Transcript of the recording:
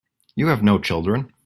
You have no children.